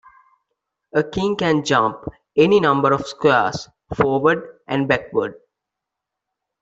A king can jump any number of squares forward and backward.